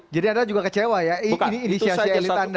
jadi anda juga kecewa ya ini inisiasi elit anda